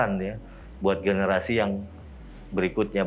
harapan ya buat generasi yang berikutnya